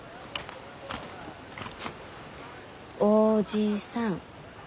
おじさん。